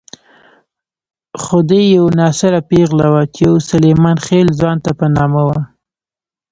خدۍ یوه ناصره پېغله وه چې يو سلیمان خېل ځوان ته په نامه وه.